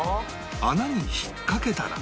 穴に引っ掛けたら